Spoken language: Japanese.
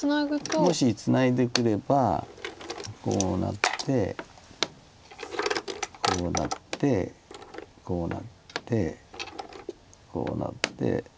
もしツナいでくればこうなってこうなってこうなってこうなって。